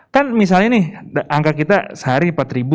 kan misalnya nih angka kita sehari empat ribu